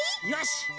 よし。